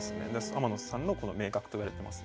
天野さんのこの名角といわれてますね。